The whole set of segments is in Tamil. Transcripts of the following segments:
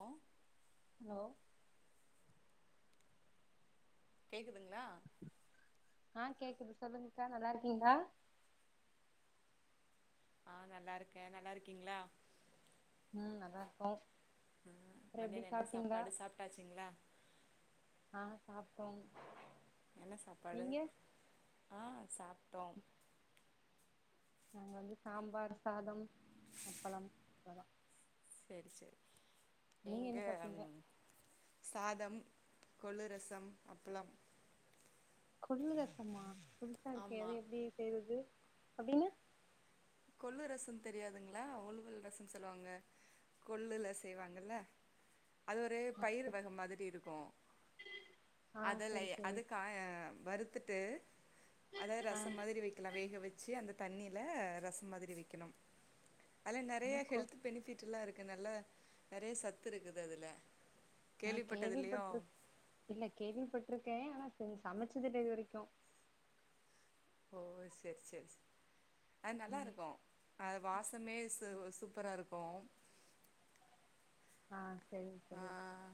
ஹலோ [inaudible] ஹலோ கேக்குதுங்ளா ஆ கேக்குது சொல்லுங்க்கா நல்லா இருக்கீங்ளா ஆ நல்லா இருக்கே நல்லா இருக்கீங்ளா உம் நல்லா இருக்கோ உம் அப்புறோ எப்டி மதியான என்ன சாப்ட்டீங்களா சாப்பாடு சாப்ட்டாச்சுங்ளா பாப்போம் என்ன சாப்பாடு ஆ சாப்ட்டோம் நாங்க வந்து சாம்பார் சாதம் அப்பளம் சேரி சேரி நீங்க என்ன சாப்ட்டீங்க சாதம் கொள்ளு ரசம் அப்பளம் கொள்ளு ரசமா புதுசா இருக்கே ஆமா அது எப்டி செய்றது அப்டீன்னா கொள்ளு ரசம் தெரியாதுங்ளா உலுவல் ரசம் சொல்லுவாங்க கொள்ளுல செய்வாங்கல்ல அது ஒரே பயிர் வக மாதிரி இருக்கு ஆ அதல்லே செரி செரி அதுக்க வருது பத்துட்டு அதாவது ஆ ரசம் மாதிரி வெக்கலா வேக வெச்சு அந்த தண்ணில ரச மாதிரி வெக்கணும் அதில் நா நிறய கொ கெல்த் பெனிஃபிட் இருக்கு அதுக்கு நல்ல நெறய சத்து இருக்குது அதுல ஆ கேள்விப்பட்டதில்லையோ கேள்விப்பட்டிரு இல்ல கேள்விப்பட்ருக்கே ஆனா சரி சமச்சதுல்ல இது வரைக்கு ஓ சேரி சேரி அது நல்லா ம் இருக்கு அது வாசமே ச சூப்பரா இருக்கும் ஆஹ் ஆஹ்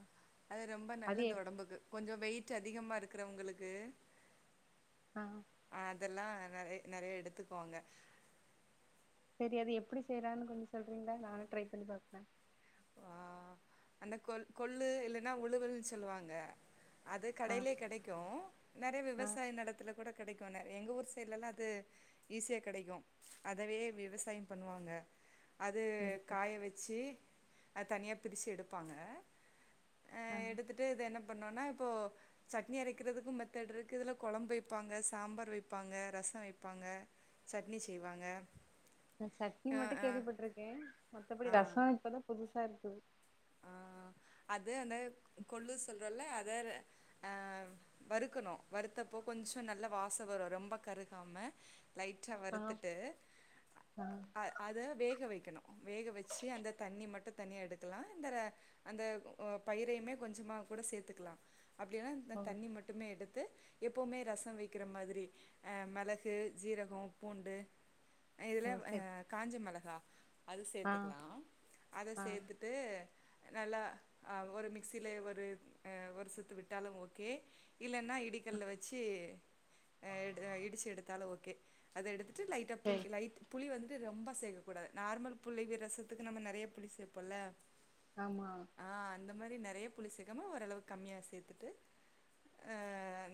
அது ரொம்ப அது நல்லது எப் உடம்புக்கு கொஞ்சம் வெயிட் அதிகமா இருக்கிற உங்களுக்கு ஆஹ் இதெல்லாம் நெறைய நெறைய எடுத்துக்குவாங்க சரி அது எப்படி செய்யறான்னு கொஞ்சம் சொல்றீங்களா நானும் ட்ரை பண்ணி பாப்பேன் வா அந்த கொ கொள்ளு இல்லைன்னா உழுவல்ன்னு சொல்லுவாங்க அது ஆ கடையிலயே கிடைக்கும் நெறைய ஆ விவசாய நிலத்துல கூட கிடைக்கும் எங்க ஊர் சைட்லல்லாம் அது ஈஸியா கிடைக்கும் அதவே விவசாயம் பண்ணுவாங்க அது சரி சரி காய வச்சு அத தனியா பிரிச்சு எடு ப்பாங்க ஆ ஆஹ் எடுத்துட்டு இது என்ன பண்ணோனா இப்போ சட்னி அரைக்கிறதுக்கு மெத்தட் இருக்கு இதுல குழம்பு வைப்பாங்க சாம்பார் வைப்பாங்க ரசம் வைப்பாங்க சட்னி செய்வாங்க சட்னி அ மட்டும் அ கேள்விப்பட்டிருக்கேன் மத்தபடி ரசம் இப்பதான் புதுசு சருக்குது ஆஹ் அது அந்த கொள்ளு சொல்றோல்ல அதை ஆஹ் வருறுக்கணும் வருத்தப்போ கொஞ்சம் நல்ல வாச வரும் ரொம்ப கருகாம லைட்டா ஆ வறுத்துட்டு ஆ அதை வேக வைக்கணும் வேக வச்சு அந்த தண்ணி மட்டும் தணியா எடுக்கலாம் இந்த அந்த பயிரையுமே கொஞ்சமா கூட சேர்த்துக்கலாம் அப்டிலாம் இந்த ஓ தண்ணி மட்டுமே எடுத்து து எப்பமே ரசம் வக்கிற மாதிரி மிளகு சீரகம் பூண்டு இதுல ஓ சரி காஞ்ச மிளகா அது ஆ சேர்த்துக்கலாம் அதை ஆ சேர்த்துட்டு நல்லா ஹ ஒரு மிக்சில ஒரு ஒரு சுத்து விட்டாலும் ஓகே இல்லைன்னா இடிக்கல்ல வச்சு அ இடிச்சு எடுத்தாலும் ஓகே அதை எடுத்து லைட்டா புல் சரி லைட் புலி வந்து ட்டு ரொம்ப சேக்ககூடாது நார்மல் புளி வி ரசத்துக்கு நம்ம நிறைய புளி சேப்போம்ல ஆமா அது மாரி நிறைய புளி சேக்கமா ஓரளவுக்கு கம்மியா சேத்துட்டு அஅ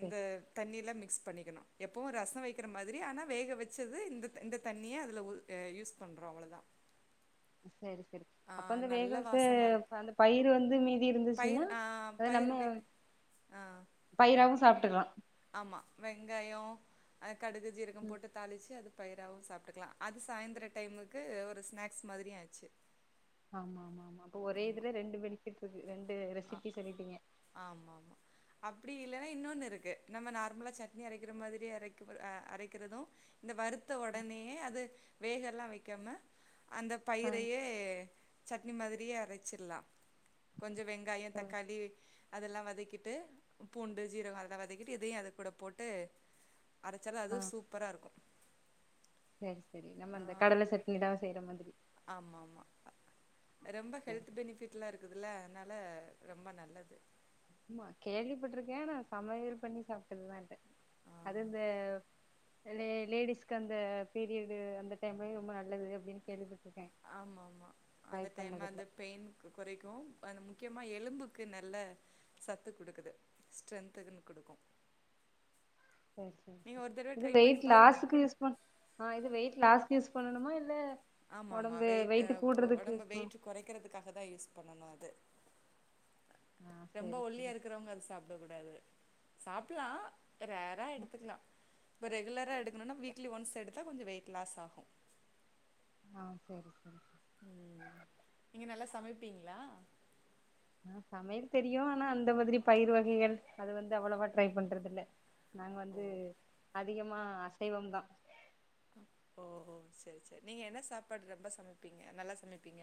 இந்த தண்ணி ல மி மிக்ஸ் பண்ணிக்கணும் எப்பவும் ரசம் வைக்கிற மாதரி ஆனா வேக வச்சது இந்த இந்த தண்ணியே அதுல உ யூஸ் பண்ணறோம் அவ்வளோதா [inaudible] சரி சரி அப்ப ந்த வேக வாசமா இருக்கு அந்த பயிர் வந்து மீதி பயிர் இருந்துச்சுன்னா ஆ அத பயிர் நம்ம வே ஆ பயிராகவும் சாப்ப ட்டுக்கலா ஆமா வெங்காயம் கடுகு ஜீரகம் ம் போட்டு தாளிச்சு அது பயிராகவும் சாப்ட்டுக்கலாம் அது சாயந்தரம் டைமுக்கு ஒரு ஸ்நாக்ஸ் மாதிரியும் ஆச்சு ஆமா ஆமா ஆமா ஒரே ஆமா இதுல ரெண்டு பெனிபிட் இருக்கு ரெண்டு ஆ ரெசிப்பி சொல்லிட்டீங்க இப்படி இல்லன்னா இன்னொன்னு இருக்கு நம்ம நார்மலா சட்னி அரைக்கிற மாதிரி அரைக்க அரைக்கிறதும் இந்த வறுத்த உடனே அது வேக எல்லா வைக்காம அந்த ஆ பயிரையே சட் மாதிரியே அரைச்சிடலாம் கொஞ்சம வெங்கயா வெங்காய ஆ தக்காளி அதெல்லாம் வதக்கிட்டு பூண்டு ஜீரக அதா வதக்கிட்டு இதையும் அது கூட போட்டு அரச்சால ஆ அதுவும் சூப்பரா இருக்கும் சரி சரி நம்மந்த கடல சட்னி தான் செய்யறம ஆமா ஆமா ரொம்ப சரி ஹெல்த் பெனிபிட் இருக் இதுல அதனால ரொம்ப நல்லது கேள்விப்பட்டிருக்கேன் நான் சமையல் பண்ணி சாப்பிட்டதுதான்ேன் அது ஆ இந்த லேடிஸ்க்கு அந்த பீரியடு அந்த டைம்ல ரொம்ப நல்லது அப்படின்னு கேள்விப்பட்டன் ஆமா ஆமா அந்த டைம் அந்த பெயின் குறைக்கும் முக்கியமா எலும்புக்கு நல்ல சத்து கொடுக்குது ஸ்ட்ரென்த்துன்னு கொடுக் சரிது பாருங்க வெயிட்லாஸ் இது வெயிட் யூஸ் பண்ணணுமா இல்ல ஆமா ஆமா ஒடம்பு வெயிட் கூடுறதுக்கு உடம்ப யூஸ் பண் வெயிட் அது குறைக்கிறதுக்காக தான் யூஸ் பண்ணணும் அது ஆ ரொம்ப சேரி ஒல்லியா சேரி இருக்கிறவங்க அது சாப்ட கூடாது சாப்லாம் ரேரா எடுத்துக்கலாம் இப்ப ரெகுலரா எடுக்கணும் நா வீக்லி ஒன்ஸ் எடு நூ கொஞ்சம் வெயிட் லாஸ் ஆகும் ஆ சரி சரி நீங்க நல்லா சமைப்பீங்களா ஹ் சமையல் தெரியும் ஆனா அந்த மாதிரி பயிர் வகைகள் அது வந்து அவ்வளவா ட்ரை பண்றது இல்ல நாங்க ஓ வந்து அதிகமா அசைவம் தா ஓ ஓ சரி சரி நீங்க என்ன சாப்பாடு ரொம்ப சமைப்பீங்க நல்லா சமைப்பீங்க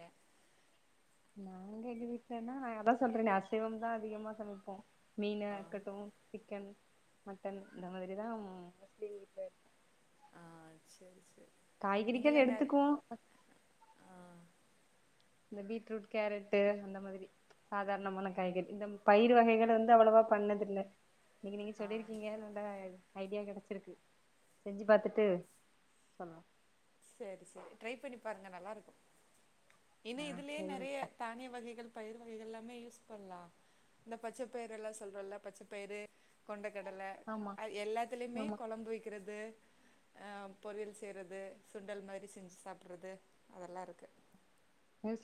நாங்க எங்க வீட்லன்னா அதா சொல்றேனெ அசைவம் தா அதிகமா சமைப்போ மீனா ஆ இருக்கட்டு சிக்கன் மட்டன் இந்த மாதிரிதா முஸ்லி இல ஆஹ் சரி சரி காய்கறிகள் நீங்கல்ல என்னரு எடுத்துக்குவோ ஆஹ் இந்த பீட்ரூட் கேரட் அந்த மாதிரி சாதாரணமான காய்கரி இந்த பயிர் வகைகள் வந்து அவ்வளவா பண்ணதுல்ல இன்னைக்கி நீங்க சொல்லீர்க்கீங்க இண்டா ஆகி ஐடியா கிடைச்சிருக்கு செஞ்சு பார்த்தட்டு சொல்லா சரி சரி ட்ரை பண்ணி பாருங்க நல்லாருக்கு இன்ன ஆ இதுலயே நிறைய சேரிங்கக்கா தானிய வகைகள் பயிர் வககள் எல்லாமே யூஸ் பண்ணலாம் இந்த பச்சை பயிர எல்லாம் சொல்றல்ல பச்சை பயிறு கொண்ட ஆமா எல்லாத்துலயுமே ஆமா குழம்பு வக்கிறது அஹ் பொரியல் செய்றது சுண்டல் மாதிரி செஞ்சு சாப்பிடறது அதெல்லா இருக்கு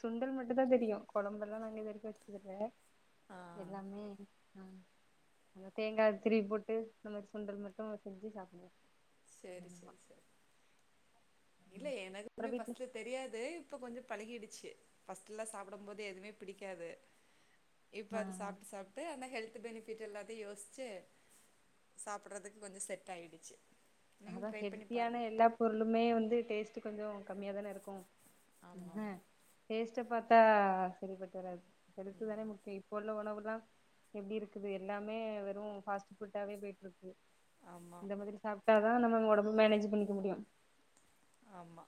சுண்டல் மட்டும் தா தெரியு குழம்பெல்லா நாங்க இதுவரக்கு வச்சதுல்ல ஆ எல்லாமே உஹ் தேங்காய் திருவி போட்டு இந்த சுண்டல் மட்டு செஞ்சு சாப்பிடுவோ சரி சரி சரி ம் இல்லயெ அப்புறோ எனக்குமே வீட்ல பஸ்டல தெரியாது இப்ப கொஞ்சொ பழகிடுச்சு ஃபர்ஸ்ட்லாம் சாப்பிடும் போது எதுவுமே பிடிக்காது இப்ப ஆ அது சாப்பிட்டு சாப்பிட்டு அனாஹெல்த் பெனிஃபிட் எல்லாத்தையு யோசிச்சு சாப்படுறதுக்கு கொஞ்சொ செட் ஆயிடுச்சு நீங்களு அதான் ட்ரை பண்ணி ஹெல்த்தியான பாருங்க எல்லா பொருளுமே வந்து டேஸ்ட் கொஞ்சொ கம்மியா தானே இருக்கு ஆமா ஆமா அஹ் ப க பார்த்தா சரிப்பராது [unintelligible] ம் தான முக்கியோ இப்போ நல்ல உணவல்லா எப்டி இருக்குது எல்லாமே வெறு ஃபாஸ்ட் ஃபுட்டாவே போயிட்ருக்கு ஆமா இந்த மாதிரி சாப் ட்டாதா நம்ம ஒடம்பு மேனேஜ் பண்ணிக்க முடியு ஆமா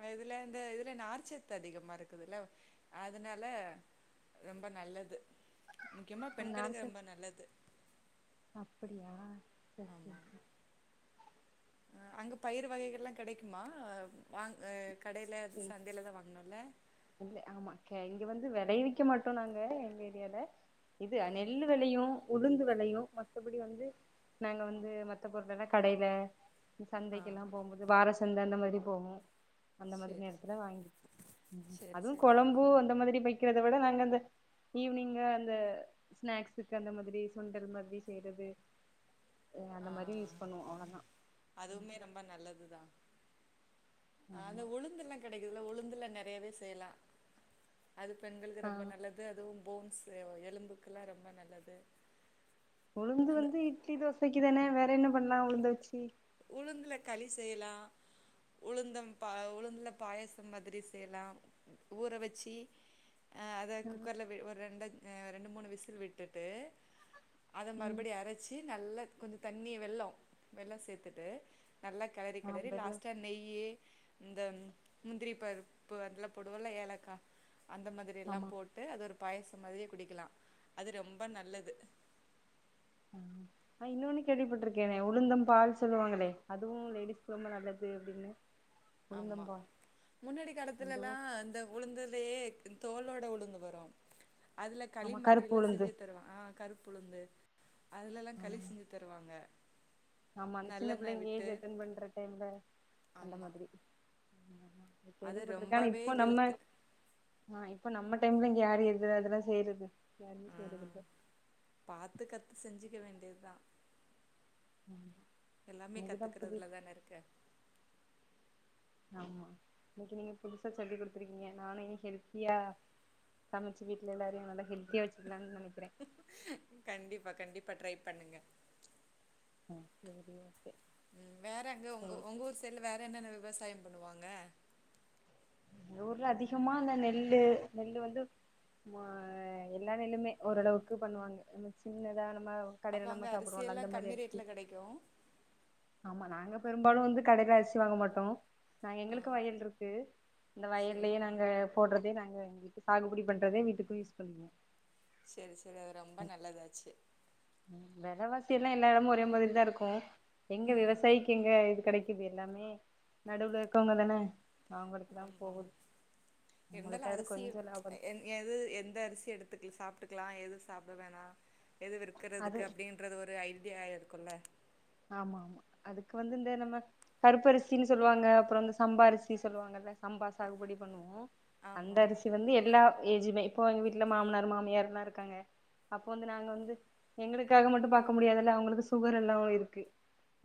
ஆ இதுல இந்த இதுல நார்ச்சத்து அதிகமா இருக்குதுல்ல அதனால ரொம்ப நல்லது முக்கியமா ஆமா பெண்களுக்கு நார்ச்சத் ரொம்ப நல்லது அப்படியா சரி சரி சரி ஆ அங்க பயிறு வகைகள்லா கெடைக்குமா வாங் ஆ கடைல சரி சந்தைலதா வாங்கணு இல்ல? இது வெளைவிக்க மாட்டோ நாங்க எங்க ஏரியால. இது அ ஆ நெல்லு வெளையு உளுந்து வெளையு மத்தபடி வந்து நாங்க வந்து மத்த பொருளல்லா கடைல ஆ சந்தைக்கெல்லா போம்போது வார சந்த அந்த மாரி போவோ அந்த சேரி எடத்துல வாங்கிப்போ ம் ம் சேரி அதுவு சேரி கொழம்பு அந்த மாதிரி வை க்கிறத விட நாங்க அந்த ஈவினிங்கா அந்த ஸ்நாக்ஸுக்கு அந்த மாதிரி சுண்டல் மாதிரி செய்யறது ஆ அந்த மாரி யூஸ் பண்ணுவோ அவ்ளோதா ம் அதுவுமே அங்க உளுந்தெல்லா கெடை இதுல உளுந்துல நெறையவே செய்யலா அது பெண்களுக்கு ஆ ரொம்ப நல்லது அதுவு போன்ஸு ஆ எலும்புக்கெல்லா ரொம்ப நல்லது உளுந்து அந்த வந்து இட்லி தோசைக்கிதான வேற என்ன பண்ண உளுந்த வச்சி உளுந்துல களி செய்யலா உளுந்தம் பா உளுந்துல பாயசம் மாதிரி செய்யலா ஊற வச்சி ஆ அத குக்கர்ல வெ ஒரு ரெண்டஞ் ஆ ரெண்டு மூணு விசில் விட்டுட்டு அத ம் மறுபடியு அரைச்சி நல்ல கொஞ்ச தண்ணி வெல்லோ வெல்லோ சே த்துட்டு நல்லா கெளறி ஆ கெளறி வெல்ல லாஸ்ட்டா நெய்யி இந்த ம் முந்திரி பருப்பு அதெல்லா போடுவோல்ல ஏலக்கா அந்த மாதிரி எல்லா ஆமா போட்டு அது ஒரு பாயசோ மாதிரியே குடிக்கலா அது ரொம்ப நல்லது ஆ இன்னொன்னு கேள்விப்பட்டிருக்கேனே உளுந்தம் பால் சொல்லுவாங்களே அதுவு லேடிஸ்க்கு ரொம்ப நல்லது அப்டின்னு ஆமா உளுந்தம்பால் முன்னாடி காலத்துலல்லா அதுவு இந்த உளுந்துலியே தோலோட உளுந்து போடுவாங்க அதுல களி ஆமா கருப்பு மாதிரிலா உளுந்து செஞ்சு தருவாங்க ஆ கரு புளுந்து அதுலலெல்லா களி ஆமா செஞ்சு தருவாங்க ஆமா சின்ன நல்லெண்ண பிள்ளைங்க விட்டு ஏஜ் அட்டன் பண்ற டைம்ல அந்த ஆமா மாதிரி ஆமாமா அது கேள்விப்பட்டிருக்கே ஆனா ரொம்பவே இப்ப நம்ம ஹெல்த்து ஆ இப்ப நம்ம டைம்ல இங்க யாரு எது அதெல்லா செய்றது ம் பாத்து கத்து செஞ்சுக்க வேண் இதா ஆமா எல்லாமே இன்னைக்குதா புது கத்துக்குறதுலதான இருக்கு ஆமா இன்னைக்கு நீங்க புதுசா சொல்லி குடுத்துருக்கீங்க நானு இ ஹெல்த்தியா சமச்சு வீட்ல எல்லாரையு நல்லா ஹெல்த்தியா வச்சிருக்கே இல்லனு நெனக்குறே இப்ப ட்ரை பண்ணுங்க ஆ சரி ஓகே உம் வேற அங்க உங்க உங்க ஊர் சைடுல வேற என்னன்ன இருக் விவசாயம் பண்ணுவாங்க அ ஊர்ல அதிகமா அந்த நெல்லு நெல்லு வந்து ஆ எல்லா நெல்லுமே ஓரளவுக்கு பண்ணுவாங்க சின்னதா ஹலோ அப்ப கடயில நம்ம அங்க அரிசி சாப்பிடுவோல எல்லா அந்த மாரி கம்மி அரிசி ரேட்ல கெடைக்கு ஆமா நாங்க பெரும்பாலு வந்து கடையில அரிசு வாங்க மாட்டோ நா ஆ எங்களுக்கு வயல் இருக்கு இந்த சேரி வயல்லயே நாங்க போடறதே நாங்க எங்களுக்கு சாகுபடி பண்றதே வீட்டுக்கு யூஸ் பண்ணிக்குவோ சேரி சேரி அது ரொம்ப நல்லதாச்சு வெலவாசி எல்லா எல்லா இடமு ஒரே மாதிரி தா இருக்கு எங்க விவசாயிக்கு எங்க இது கெடக்குது எல்லாமே நடுவுல இருக்கவங்கதான ஆமாங்க இருந்தாலு அவங்களுக்கு அதுல அரிசி கொஞ்ச லாபம் எது எந்த அரிசி எடுத்துக்கல சாப்ப பாத்துகலா எது சாப்ட வேணா எது அது விற்கிறதுக்கு அப்டீன்றது ஒரு ஐ ஆயிருக்குல ஆமா ஆமா அதுக்கு வந்து இந்த நம்ம கருப்பு அரிசின்னு சொல்லுவாங்க அப்றம் இந்த சம்பா அரிசி சொல்லுவாங்கல்ல சம்பா சாகுபடி பண்ணுவோம் அந்த ஆமா ஆமா அரிசி வந்து எல்லா ஏதுமே இப்போ எங்க வீட்டுல மாமனார் மாமியயாரெல்லாம் இருக்காங்க அப்போ வந்து நாங்க வந்து எங்களுக்காக மட்டும் பார்க்க முடியாதுல்ல அவங்களுக்கு சுகர் எல்லாம் இருக்கு பக்கி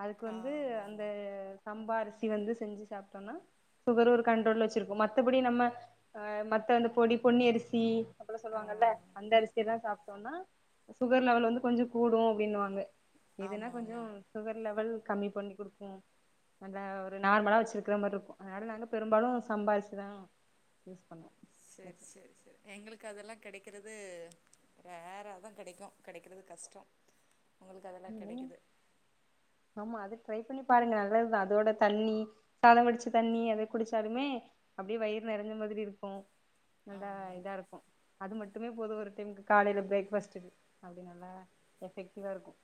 அதுக்கு ஆ வந்து ஆமா அந்த ஆமா சம்பா வந்து செஞ்சு சாப்பிட்டோம்னா சுகர் ஒரு கண்ட்ரோல் வச்சிருக்கும் மத்தபடி நம்மஹ் மத்த அந்த பொடி பொன்னி அரிசி ஆ அப்பளாசொல்வாங்கல்ல அரிசியிலல்லாம் சாப்ப டோன்னா சுகர் லெவல் வந்து கொஞ்சம் கூடும் அப்படினு சொல்லு வாங்க ஆமா ஆமா சுகர் லெவல் கம்மி பண்ணி கொடுக்கும் நல்லா ஒரு நார்மலாக வச்சிருக்கிற மாதிரி இருக்கும் அதனால் நாங்கள் பெரும்பாலும் சம்பாஅரிசி தான் யூஸ் பண்ணோம் சரி சரி சரி எங்களுக்கு க்கு அதெல்லாம் கிடைக்கிறது ரேரா தான் கிடைக்கும் கிடைக்கிறது கஷ்டம் உங்களுக்கு அதெல்லாம் கிடைக்குது ஆமா அது ட்ரை பண்ணி பாருங்க நல்லதுதான் அதோட தண்ணி சாதம் வடிச்ச தண்ணி அதை குடிச்சாலுமே அப்படியே வயிறு நிறஞ்ச மாதிரி இருக்கும் நல்லா ஆமா ஆமா இதா இருக்கும் அது மட்டும் மட்டுமே போதும் ஒரு டைமு காலையில பிரேக்பாஸ்டுக்கு அப்படி நல்லா எஃபெக்டிவா இருக்கும்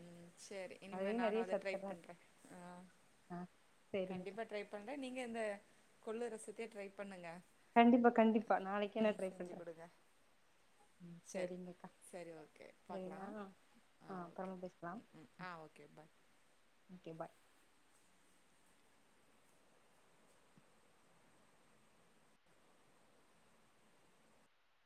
உம் சோரி இனிம நானும் அத ட்ரை இருக்கு பண்றேன் ஆஹ ஆ சேரிங்க்கா கண்டிப்பா ட்ரை பண்றேன் நீங்க இந்த கொள்ளு ரசத்தியே ட்ரை பண்ணுங்க கண்டிப்பா கண்டிப்பா நாளைக்கு என்ன ம் டரை செஞ்சு பண்றேன் குடுங்க சரி சரிங்கக்கா சரி ஓகே பாக்கலா சரிாஹ் ஆ அப்புற ஓகே பேச ம் ஆ ஓகே பாய் [inaudible]